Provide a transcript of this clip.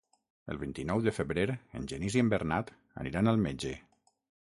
El vint-i-nou de febrer en Genís i en Bernat aniran al metge.